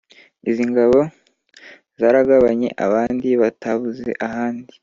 Izo ngabo Zaragabanye abandi Batabuze ahandi!